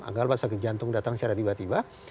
agar sakit jantung datang secara tiba tiba